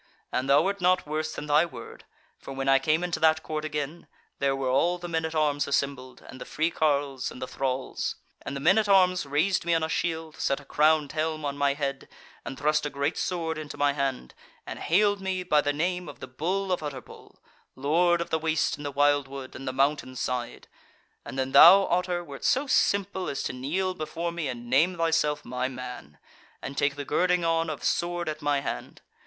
And thou wert not worse than thy word, for when I came into that court again, there were all the men at arms assembled, and the free carles, and the thralls; and the men at arms raised me on a shield, set a crowned helm on my head, and thrust a great sword into my hand, and hailed me by the name of the Bull of Utterbol, Lord of the Waste and the Wildwood, and the Mountain side: and then thou, Otter, wert so simple as to kneel before me and name thyself my man, and take the girding on of sword at my hand.